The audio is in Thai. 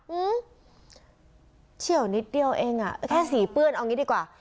ื้อเฉียวนิดเดียวเองอ่ะแค่สีเปื้อนเอางี้ดีกว่า